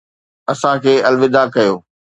اسان کي الوداع ڪيو